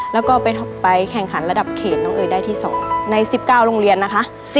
แล้วก็ไปแข่งขันระดับเขตน้องเอ๋ยได้ที่๒ใน๑๙โรงเรียนนะคะ